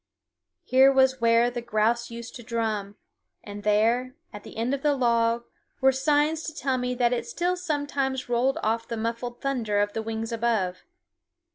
Here was where the grouse used to drum; and there, at the end of the log, were signs to tell me that it still sometimes rolled off the muffled thunder of the wings above.